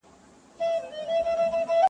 سمدلاه یې و سپي ته قبر جوړ کی.